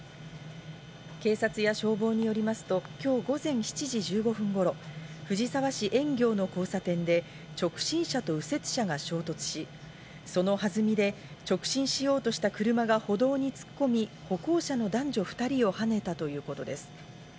警察や消防によりますと今日午前７時１５分頃、藤沢市円行の交差点で直進車と右折車が衝突し、その弾みで直進しようとした車が歩道に突っ込み、歩行者の男女２人をはねたということです。